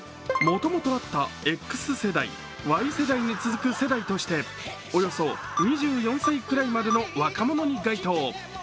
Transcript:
もともとあったＸ世代、Ｙ世代に続く世代としておよそ２４歳くらいまでの若者に該当。